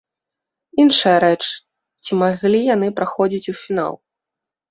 Іншая рэч, ці маглі яны праходзіць у фінал.